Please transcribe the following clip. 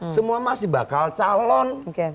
semua masih bakal calon